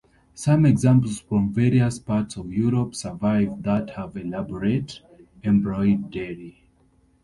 Some examples from various parts of Europe survive that have elaborate embroidery.